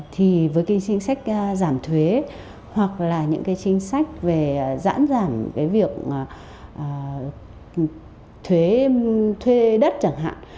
thì với cái chính sách giảm thuế hoặc là những cái chính sách về giãn giảm cái việc thuế thuê đất chẳng hạn